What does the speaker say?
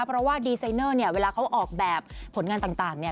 เพราะว่าดีไซเนอร์เนี่ยเวลาเขาออกแบบผลงานต่างเนี่ย